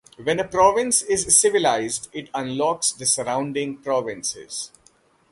When a province is civilized it unlocks the surrounding provinces.